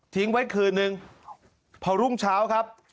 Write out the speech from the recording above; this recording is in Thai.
ไว้คืนนึงพอรุ่งเช้าครับ